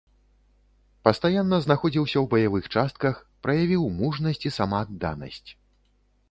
Пастаянна знаходзіўся ў баявых частках, праявіў мужнасць і самаадданасць.